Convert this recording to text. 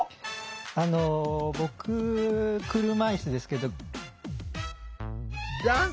あの僕車いすですけど。